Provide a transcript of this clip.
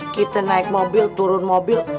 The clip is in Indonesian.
kita naik mobil turun mobil